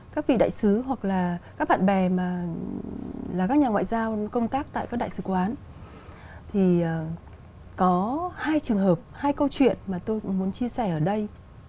các vị đại sứ hoặc là các bạn bè mà là các nhà ngoại giao công tác tại các đại sứ quán thì có hai trường hợp hai câu chuyện mà tôi muốn chia sẻ ở đây